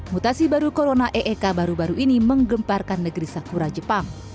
mutasi baru corona eek baru baru ini menggemparkan negeri sakura jepang